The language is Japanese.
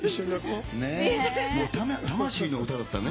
魂の歌だったね。